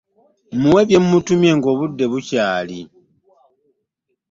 Muwe bye mmutumye ng'obudde bukyali.